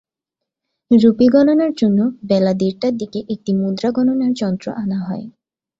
Rupee গণনার জন্য বেলা দেড়টার দিকে একটি মুদ্রা গণনার যন্ত্র আনা হয়।